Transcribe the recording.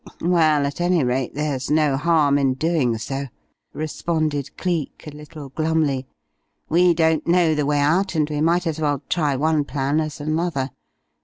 "Well, at any rate there's no harm in doing so," responded Cleek a little glumly. "We don't know the way out and we might as well try one plan as another.